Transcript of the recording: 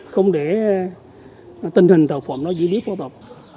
không để tình hình tội phạm nó dĩ biến phổ tộc